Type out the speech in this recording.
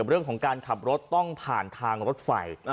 เรื่องของการขับรถต้องผ่านทางรถไฟ